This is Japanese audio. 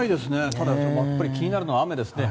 ただ、気になるのは雨ですね。